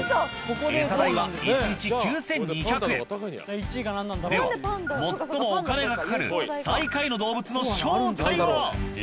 エサ代は１日９，２００円では最もお金がかかる最下位の動物の正体は？